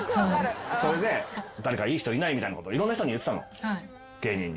それで誰かいい人いない？みたいなこといろんな人に言ってたの芸人に。